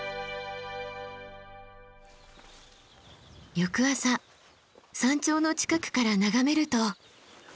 翌朝山頂の近くから眺めると。